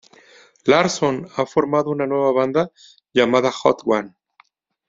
Larson ha formado una nueva banda llamada Hot One.